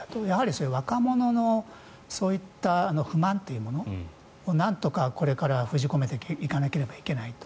それも、若者のそういった不満というものをなんとか、これから封じ込めていかなければいけないと。